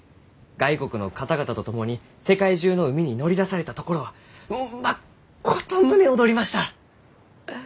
外国の方々と共に世界中の海に乗り出されたところはまっこと胸躍りました！